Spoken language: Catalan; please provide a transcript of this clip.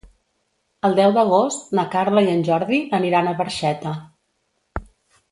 El deu d'agost na Carla i en Jordi aniran a Barxeta.